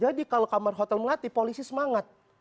jadi kalau kamar hotel melati polisi semangat